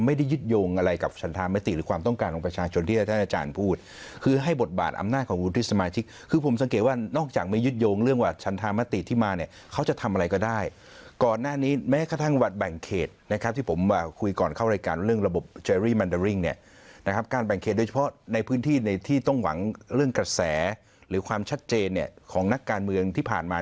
ภาคภาคภาคภาคภาคภาคภาคภาคภาคภาคภาคภาคภาคภาคภาคภาคภาคภาคภาคภาคภาคภาคภาคภาคภาคภาคภาคภาคภาคภาคภาคภาคภาคภาคภาคภาคภาคภาคภาคภาคภาคภาคภาคภาคภาคภาคภาคภาคภาคภาคภาคภาคภาคภาคภาค